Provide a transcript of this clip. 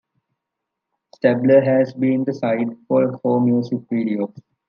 Stabler has been the site for four music videos.